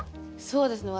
そうですね。